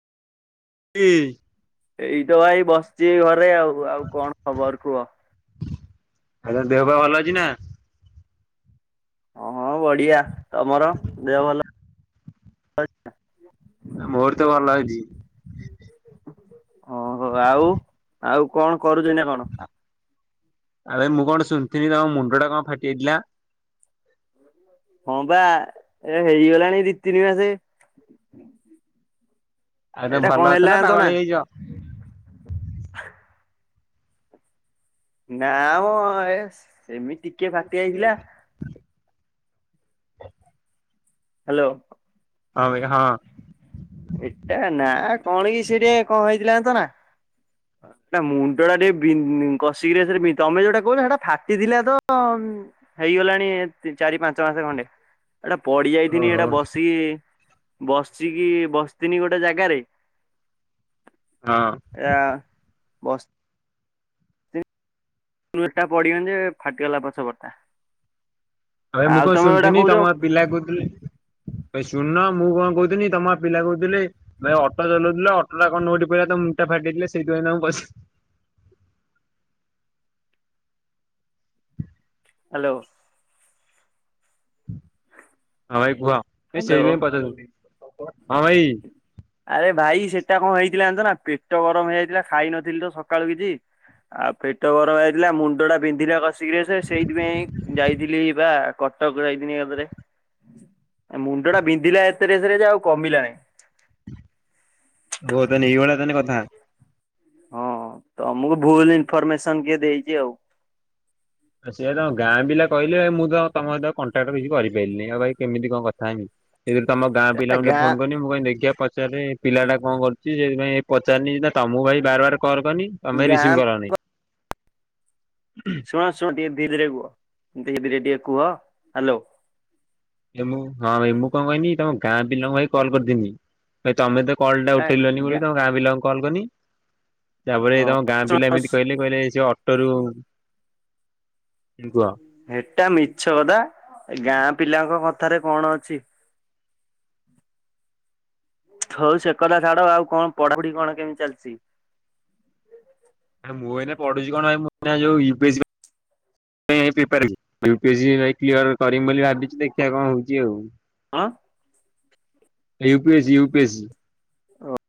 ଏ। ଏଇ ତ ଭାଇ ବସିଛି ଘରେ ଆଉ ଆଉ କଣ ଖବର କୁହ? ଆଉ ତୋ ଦେହପା ଭଲ ଅଛି ନା? ହଁ ହଁ ବଢିଆ ତମର ଦେହ ଭଲ। ଆଚ୍ଞା। [inaudible] ମୋରତ ଭଲ ଅଛି। ଓହୋ ଆଉ ଆଉ କଣ କରୁଛ ନା କଣ? ଆରେ ମୁଁ କଣ ଶୁଣିଥିଲି ତମ ମୁଣ୍ଡ ଟା କଣ ଫାଟି ଯାଇଥିଲା? ହଁ ପା ଏରା ହେଇଗଲାଣି ଦି ତିନି ମାସେ। ଆଉ ତମେ ଏଟା ଭଲ କଣ ଅଛ ହେଲା ଜାଣିଚ ପାଗଳ ନା? ହେଇଯାଇଛ? ନା ମ ଏସ ଏମିତି ଟିକେ ଫାଟି ଯାଇଥିଲା। ହ। ହ୍ୟାଲୋ। ହଁ ଭାଇ ହଁ। ଏଟା ନା କଣ କି ସେ ଟିକେ କଣ ହେଇଥିଲା ଜାଣିଚ ନା ନା ମୁଣ୍ଡ ଟା ଟିକେ ବିଂ କଷିକିରି ଏଥିରେ ତମେ ଯୋଉଟା କହୁଚ ହେଟା ଫାଟିଥିଲା ତ। ହେଇଗଲାଣି ଚାରି ପାଞ୍ଚ ମାସ ଖଣ୍ଡେ ଏଟା ପଡି ଓହୋ ଯାଇଥିନି ଏଟା ହଁ ବସିକି ବସିକି ବସିଥନି ଗୋଟେ ଜାଗାରେ ହଁ। ଏରା ବସ୍ ଟୁ ଏଟା ପଡିଗନି ଯେ ଫାଟିଗଲା ପଛପଟଟା। ହଏ ମୁଁ କଣ ଶୁଣିଥିନି କହୁଛ ତମ ପିଲା କହୁଥିଲେ ଭାଇ ଶୁଣୁନ ମୁଁ କଣ କହୁଥିଲି ତମ ପିଲା କହୁଥିଲେ ଭାଇ ଅଟୋ ଚଲଉଥିଲେ ଅଟୋ ଅଟୋଟା କଣ ନଉଠି ପଇଲା ତ ମୁଣ୍ଡଟା ଫାଟି ଯାଇଥିଲା ସେଇଥିପାଇଁ ତମକୁ ପଚ ହ୍ୟାଲୋ। ହଁ ଭାଇ କୁହ ନାଇ ସେଇ ହ୍ୟାଲୋ ପାଇଁ ପଚାରୁଥି ହଁ ଭାଇ। ଆରେ ଭାଇ ସେଟା କଣ ହେଇଥିଲା ଜାଣିଚ ନା ପେଟ ଗରମ ହେଇଯାଇଥିଲା ଖାଇନଥିଲି ତ ସକାଳୁ କିଛି ଆଉ ପେଟ ଗରମ୍ ହେଇଯାଇଥିଲା ମୁଣ୍ଡଟା ବିନ୍ଧିଲା କ ସିରିଅସ୍ ସେଇଥିପାଇଁ ଯାଇଥିଲି ବା କଟକ ଯାଇଥିନି [unintelligible] ମୁଣ୍ଡ ଟା ବିନ୍ଧିଲା ଏତେରେସରେ ଯେ ଆଉ କମିଲା ନାଇଁ ହଉ ତାହାନେ ଏଇଭଳିଆ ତାହାନେ କଥା। ହଁ ତମୁକୁ ଭୁଲ୍ ଇନଫରମେସନ୍ କିଏ ଦେଇଚି ଆଉ। ସିୟା ତାଙ୍କ ଗାଁ ପିଲା କହିଲେ ମୁଁ ତ ତମ ସହିତ କଣ୍ଟାକ୍ଟ କିଛି କରିପାଇଲିନି, ଆଉ ଭାଇ କେମିତି କଣ କଥା ହେମି। [unintelligible] ତମ ଗାଁ ପିଲାଙ୍କୁ ଟିକେ ଗାଁ ଫୋନ୍ କନି ମୁଁ କହିଲି ଦେଖିବା ପଚାରେ ପିଲା ଟା କଣ କରୁଚି ସେଥିପାଇଁ ପଚାରିନି ନା ତମକୁ ଭାଇ ବାର-ବାର କଲ୍ କନି ତମେ ଗାଁ ରିସିଭ୍ କରନି। ଶୁଣ-ଶୁଣ ଟିକେ ଧୀରେ-ଧୀରେ କୁହ, ଧୀରେ-ଧୀରେ ଟିକେ କୁହ, ହାଲୋ। ଏ ମୁଁ ହଁ ଭାଇ ମୁଁ କଣ କହନି ତମ ଗାଁ ପିଲାଙ୍କୁ ଭାଇ କଲ୍ କରିଥିନି। ଭାଇ ତମେ ତ କଲ୍ ଟା ଏଟା ଉଠେଇଲନି ଗା ବୋଲି ତମ ଗାଁ ପିଲାଙ୍କୁ କଲ୍ କନି। ତାପରେ ହଁ ତମ ଗାଁ ପିଲା ଏମିତି କହିଲେ-କହିଲେ ସେ ଅଟୋରୁ କୁହ। ହେଟା ମିଛ କଥା, ଗାଁ ପିଲାଙ୍କ କଥାରେ କଣ ଅଛି। ହଉ ସେ କଥା ଛାଡ଼, ଆଉ କଣ ପଢାପଢି କଣ କେମିତି ଚାଲିଚି? ମୁଁ ଏଇନା ପଢୁଛି କଣ ଭାଇ ମୁଁ ତା ଯୋଉ ୟୁ ପି ଏସ ସି ପାଇଁ ପାଇଁ prepare [unintelligible] you P S C [unintelligible] clear କରିମି ବୋଲି ଭାବିଚି ଦେଖିବା କଣ ହଉଚି ଆଉ। ଆଁ U P S C U P S C. ଓ।